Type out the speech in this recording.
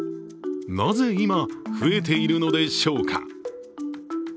なぜ今、増えているのでしょうか。